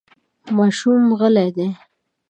ماشومان غلي دي .